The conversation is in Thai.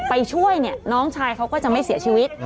ไปช่วยเนี่ยน้องชายเขาก็จะไม่เสียชีวิต